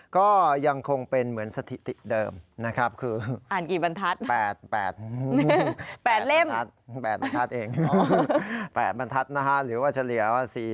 ก็ยังคงเป็นเหมือนสถิติเดิม